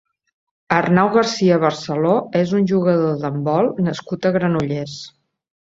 Arnau García Barceló és un jugador d'handbol nascut a Granollers.